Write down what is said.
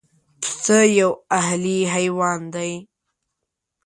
پسه یو اهلي حیوان دی.